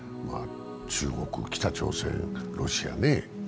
中国、北朝鮮、ロシアね。